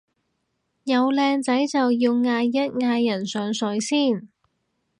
有靚仔就要嗌一嗌人上水先